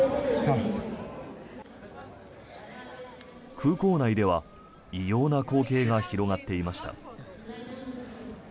空港内では異様な光景が広がっていました。